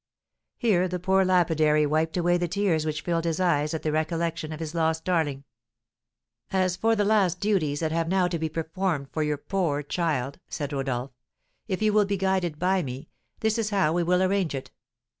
Here the poor lapidary wiped away the tears which filled his eyes at the recollection of his lost darling. "As for the last duties that have now to be performed for your poor child," said Rodolph, "if you will be guided by me, this is how we will arrange it.